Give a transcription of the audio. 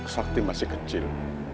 zakti masih kecil